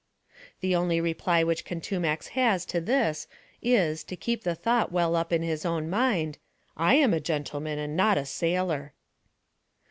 The only reply which Oontumax has t& this is, to keep the thought well up ic his own mind, " I am a gentleman ar d not a sailor."